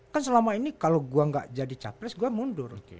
kan selama ini kalau gue gak jadi capres gue mundur